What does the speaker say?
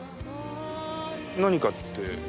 何かって？